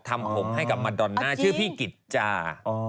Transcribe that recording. ทำผมให้กับมาดอนน่าชื่อพี่กิจจา